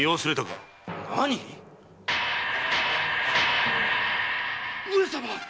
何⁉上様！